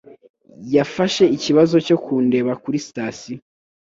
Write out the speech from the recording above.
Yafashe ikibazo cyo kundeba kuri sitasiyo.